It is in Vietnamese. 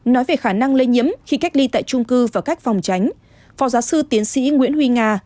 nói về khả năng lây nhiễm khi cách ly tại trung cư và cách phòng tránh phó giáo sư tiến sĩ nguyễn huy nga